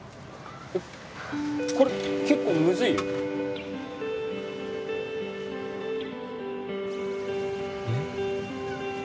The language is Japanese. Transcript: えっこれ結構ムズいよえっ？